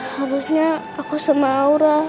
harusnya aku sama aura